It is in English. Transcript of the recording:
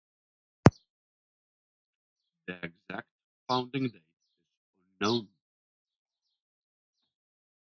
The exact founding date is unknown.